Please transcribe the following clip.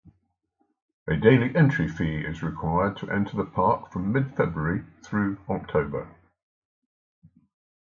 A daily entry fee is required to enter the park from mid-February through October.